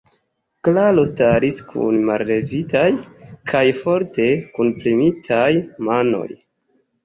Klaro staris kun mallevitaj kaj forte kunpremitaj manoj.